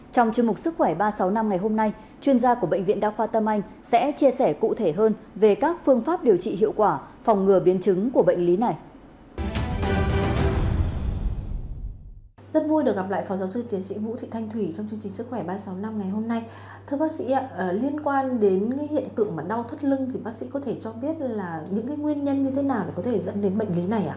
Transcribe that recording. trong chương trình sức khỏe ba trăm sáu mươi năm ngày hôm nay chuyên gia của bệnh viện đa khoa tâm anh sẽ chia sẻ cụ thể hơn về các phương pháp điều trị hiệu quả phòng ngừa biên chứng của bệnh lý này